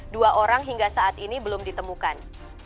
dua orang hingga saat ini belum ditemukan